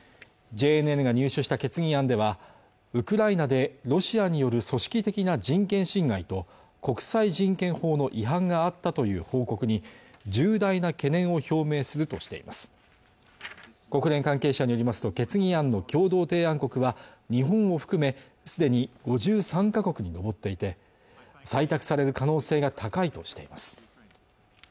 ＪＮＮが入手した決議案ではウクライナでロシアによる組織的な人権侵害と国際人権法の違反があったという報告に重大な懸念を表明するとしています国連関係者によりますと決議案の共同提案国は日本を含めすでに５３か国に上っていて採択される可能性が高いとしています